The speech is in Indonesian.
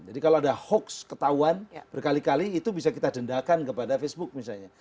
jadi kalau ada hoax ketahuan berkali kali itu bisa kita dendakan kepada facebook misalnya